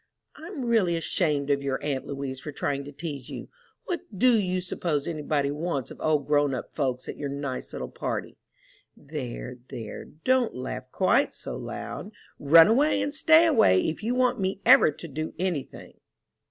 "I'm really ashamed of your aunt Louise for trying to tease you. What do you suppose any body wants of old grown up folks at your nice little party? There, there, don't laugh quite so loud. Run away, and stay away, if you want me ever to do any thing."